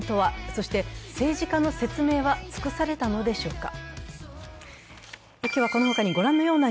そして、政治家の説明は尽くされたのでしょうか。